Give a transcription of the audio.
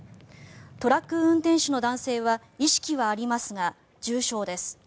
トラック運転手の男性は意識はありますが重傷です。